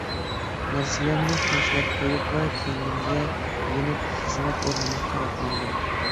نەرسىلەرنى تاشلاپ قويۇپلا كەينىمگە يېنىپ خىزمەت ئورنۇمغا قاراپ ماڭدىم.